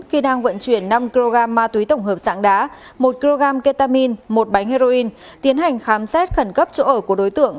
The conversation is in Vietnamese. khi đang vận chuyển năm kg ma túy tổng hợp sạng đá một kg ketamin một bánh heroin tiến hành khám xét khẩn cấp chỗ ở của đối tượng